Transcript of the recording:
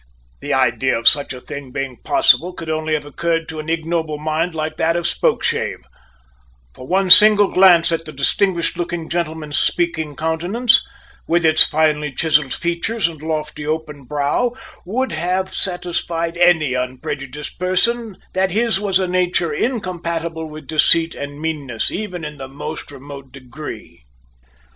The idea of such a thing being possible could only have occurred to an ignoble mind like that of Spokeshave; for one single glance at the distinguished looking gentleman's speaking countenance, with its finely chiselled features and lofty open brow, would have satisfied any unprejudiced person that his was a nature incompatible with deceit and meanness, even in the most remote degree.